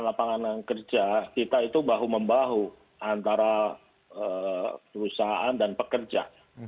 lapangan kerja kita itu bahu membahu antara perusahaan dan pekerja